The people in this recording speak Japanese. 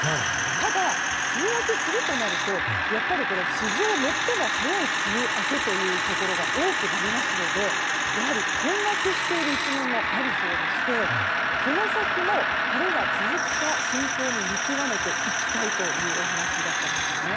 ただ、梅雨明けするとなると史上最も早い梅雨明けというところが多くなりますのでやはり困惑している一面もあるそうでしてこの先も晴れが続くか慎重に見極めていきたいというお話だったんですよね。